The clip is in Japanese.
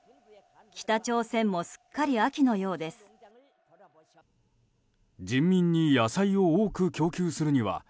北朝鮮もすっかり秋のようです。